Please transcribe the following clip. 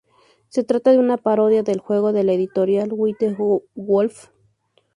Se trata de una parodia del juego de la editorial White Wolf.